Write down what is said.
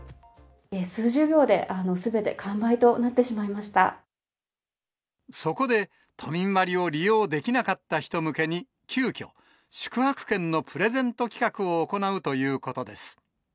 数十秒ですべて完売となってそこで、都民割を利用できなかった人向けに、急きょ、宿泊券のプレゼント企画を行うということです。